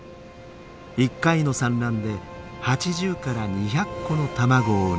１回の産卵で８０２００個の卵を産みます。